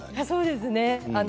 そうですね。